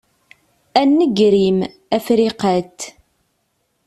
A nnger-im, a Friqat!